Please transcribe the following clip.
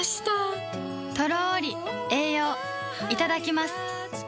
とろり栄養いただきます